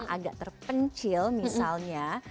agak terpencil misalnya